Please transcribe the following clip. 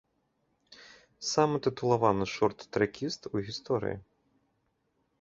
Самы тытулаваны шорт-трэкіст у гісторыі.